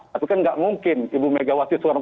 tapi kan tidak mungkin ibu mega wasis